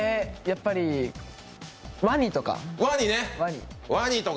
やっぱり、ワニとか？